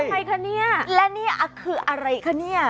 ใครคะเนี่ยและนี่คืออะไรคะเนี่ย